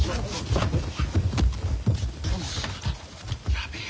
やべえよ。